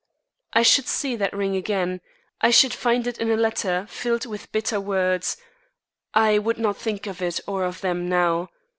I should see that ring again. I should find it in a letter filled with bitter words. I would not think of it or of them now.